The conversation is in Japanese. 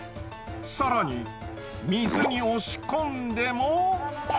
更に水に押し込んでも。